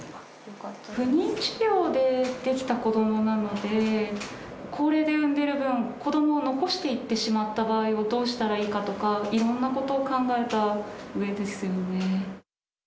不妊治療で出来た子どもなので、高齢で産んでる分、子どもを残していってしまった場合をどうしたらいいかとか、いろんなことを考えたうえですよね。